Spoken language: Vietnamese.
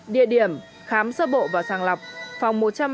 địa điểm khám sơ bộ và sàng lọc